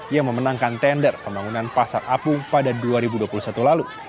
yang memenangkan tender pembangunan pasar apung pada dua ribu dua puluh satu lalu